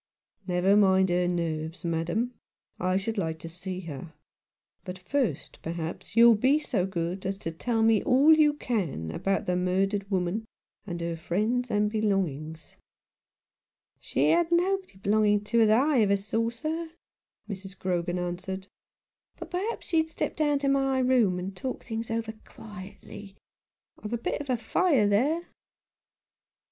" Never mind her nerves, madam ; I should like to see her. But, first, perhaps you'll be so good as to tell me all you can about the murdered woman and her friends and belongings." "She had nobody belonging to her that ever I saw, sir," Mrs. Grogan answered ;" but, perhaps, you'd step down to my room and talk things over quietly. I've a bit of fire there."